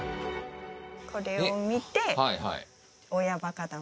これを見て。